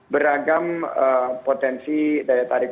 beragam potensi daya tarik